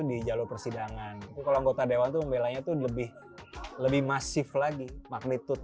di jalur persidangan kalau anggota dewan tuh membelanya tuh lebih lebih masif lagi magnitude